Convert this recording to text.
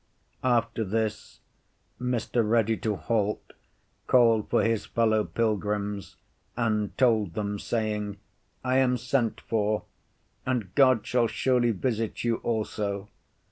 After this Mr. Ready to halt called for his fellow pilgrims, and told them saying, I am sent for, and God shall surely visit you also.